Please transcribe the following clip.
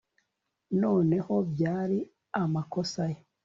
Noneho byari amakosa ye